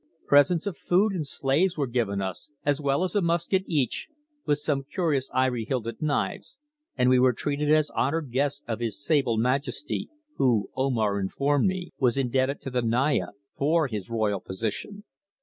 Presents of food and slaves were given us, as well as a musket each, with some curious ivory hilted knives, and we were treated as honoured guests of his sable majesty, who, Omar informed me, was indebted to the Naya for his royal position.